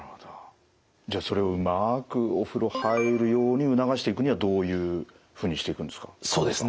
じゃあそれをうまくお風呂入るように促していくにはどういうふうにしていくんですか？